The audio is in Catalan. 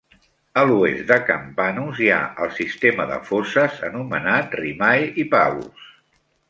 A l'oest de Campanus hi ha el sistema de fosses anomenat Rimae Hippalus.